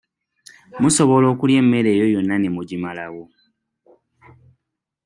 Musobola okulya emmere eyo yonna ne mugimalawo?